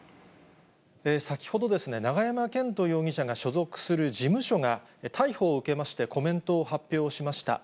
先ほど、永山絢斗容疑者が所属する事務所が、逮捕を受けまして、コメントを発表しました。